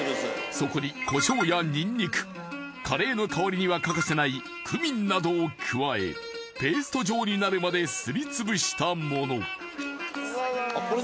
そこにこしょうやニンニクカレーの香りには欠かせないクミンなどを加えペースト状になるまですり潰したもの